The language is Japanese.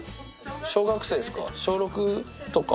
小学生ですか？